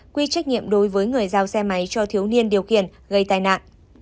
quy trách nhiệm đối với người giao xe máy cho thiếu niên điều khiển gây tai nạn